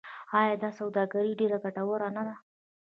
آیا دا سوداګري ډیره ګټوره نه ده؟